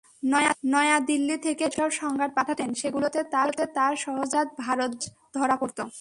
নয়াদিল্লি থেকে তিনি যেসব সংবাদ পাঠাতেন সেগুলোতে তাঁর সহজাত ভারত-বিদ্বেষ ধরা পড়ত।